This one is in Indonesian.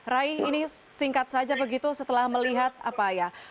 rai ini singkat saja begitu setelah melihat apa ya